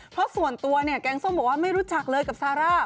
เพราะส่วนตัวเนี่ยแกงส้มบอกว่าไม่รู้จักเลยกับซาร่า